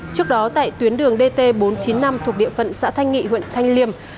trước đó tại tuyến đường dt bốn trăm chín mươi năm thuộc địa phận xã thanh nghị huyện thanh liêm